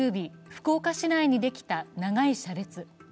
福岡市内にできた長い車列。